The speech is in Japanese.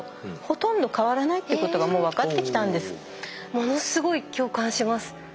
ものすごい共感します。